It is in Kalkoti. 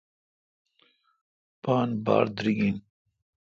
پان باڑ دیریگ این۔